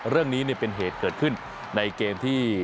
เรื่องนี้เป็นเหตุเกิดขึ้นในเกมที่